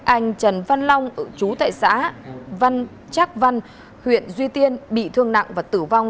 anh trần văn long chú tại xã văn trác văn huyện duy tiên bị thương nặng và tử vong